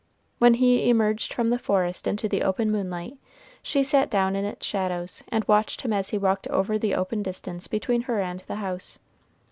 When he emerged from the forest into the open moonlight, she sat down in its shadows and watched him as he walked over the open distance between her and the house.